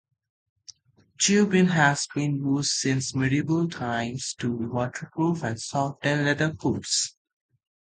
Dubbin has been used since medieval times to waterproof and soften leather boots.